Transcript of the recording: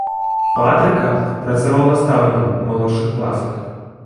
Патрыка, працаваў настаўнікам у малодшых класах.